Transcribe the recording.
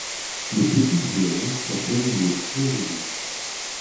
Le petit du héron s'appelle le héronneau.